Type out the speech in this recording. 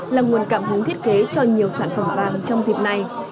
là nguồn cảm hứng thiết kế cho nhiều sản phẩm vàng trong dịp này